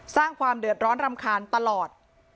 สร้างความเดือดร้อนรำคาญตลอด